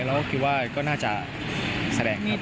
แล้วก็คิดว่าก็น่าจะแสดงครับ